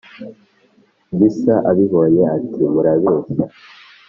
gisa abibonye ati : murabeshya